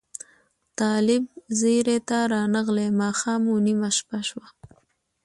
طالب ځیري ته رانغلې ماښام و نیمه شپه شوه